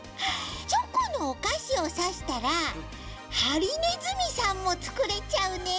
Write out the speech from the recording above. チョコのおかしをさしたらハリネズミさんもつくれちゃうね！